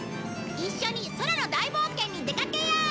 一緒に空の大冒険に出かけよう！